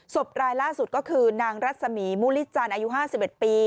รายล่าสุดก็คือนางรัศมีมุริจันทร์อายุ๕๑ปี